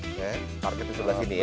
oke target di sebelah sini ya